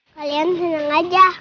kalian senang aja